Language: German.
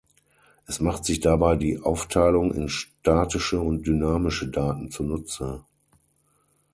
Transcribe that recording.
Es macht sich dabei die Aufteilung in statische und dynamische Daten zunutze.